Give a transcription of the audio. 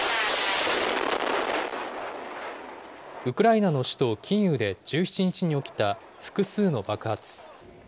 ウクライナの首都キーウで１７日に起きた複数の爆発。